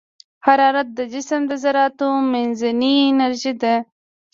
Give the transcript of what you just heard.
حرارت د جسم د ذراتو منځنۍ انرژي ده.